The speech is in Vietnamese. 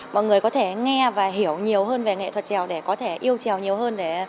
mọi người có thể nghe và hiểu nhiều hơn về nghệ thuật trèo để có thể yêu trèo nhiều hơn